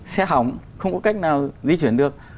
xe hỏng không có cách nào di chuyển được